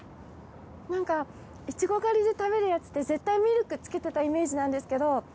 なんかイチゴ狩りで食べるやつって絶対ミルクつけてたイメージなんですけど。